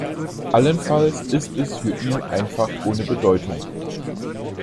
Allenfalls ist es für ihn einfach ohne Bedeutung.